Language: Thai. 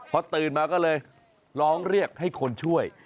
พอตื่นมาก็เลยร้องเรียกให้คนช่วย